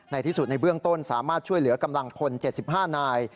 ในที่สุดในเบื้องต้นสามารถช่วยเหลือกำลังพล๗๕นาย